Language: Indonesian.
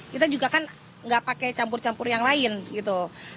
kita juga kan nggak pakai campur campur yang lain gitu